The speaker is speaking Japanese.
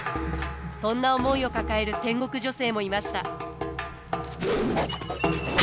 そんな思いを抱える戦国女性もいました。